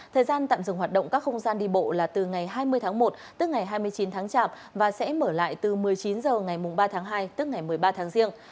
thời gian tạm dừng hoạt động các không gian đi bộ là từ ngày hai mươi tháng một tức ngày hai mươi chín tháng chạp và sẽ mở lại từ một mươi chín h ngày ba tháng hai tức ngày một mươi ba tháng riêng